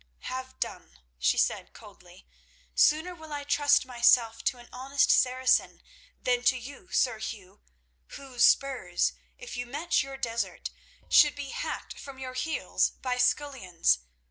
"Have done," she said coldly. "Sooner will I trust myself to an honest Saracen than to you, Sir Hugh, whose spurs, if you met your desert, should be hacked from your heels by scullions.